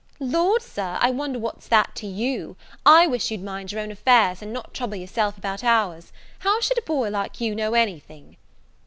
"Lord, Sir, I wonder what's that to you! I wish you'd mind your own affairs, and not trouble yourself about ours. How should a boy like you know any thing?"